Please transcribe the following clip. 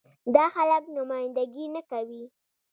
دا خلک نماينده ګي نه کوي.